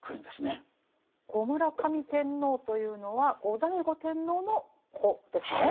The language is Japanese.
後村上天皇というのは後醍醐天皇の子ですね。